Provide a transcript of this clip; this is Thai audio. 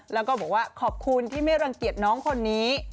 แล้วก็บอกว่าขอบคุณที่ไม่รังเกียจน้องคนนี้